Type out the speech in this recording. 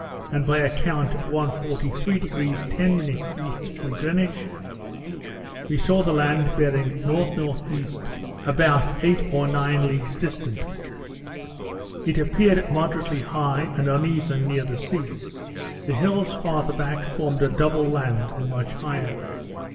and by account 143° 10' E. from Greenwich, we saw the land bearing N.N.E., about eight or nine leagues distance. It appeared moderately high, and uneven near the sea; the hills farther back formed a double land, and much higher.